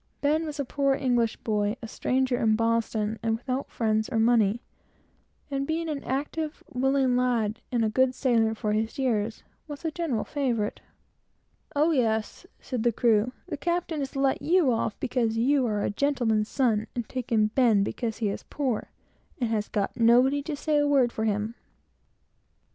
Ben was a poor English boy, a stranger in Boston, and without friends or money; and being an active, willing lad, and a good sailor for his years, was a general favorite. "Oh, yes!" said the crew, "the captain has let you off, because you are a gentleman's son, and have got friends, and know the owners; and taken Ben, because he is poor, and has got nobody to say a word for him!"